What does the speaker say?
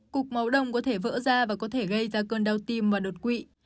cục máu đông có thể vỡ da và có thể gây ra cơn đau tim và đột quỵ